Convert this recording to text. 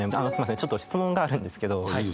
ちょっと質問があるんですけど。